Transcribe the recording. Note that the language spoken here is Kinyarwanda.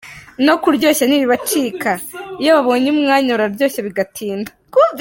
No kuryoshya ntibibacika iyo babonye umwanya bararyoshya bigatinda.